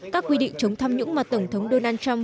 các quy định chống tham nhũng mà tổng thống donald trump